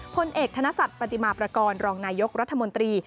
พลเอกธนศักดิ์ปฏิมาประกอบรองนายกรัฐมนตรี